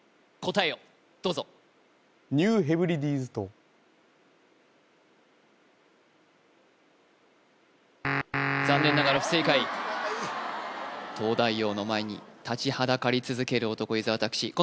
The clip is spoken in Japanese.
答えをどうぞ残念ながら不正解東大王の前に立ちはだかり続ける男伊沢拓司